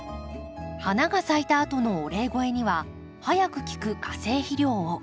花が咲いたあとのお礼肥には早く効く化成肥料を。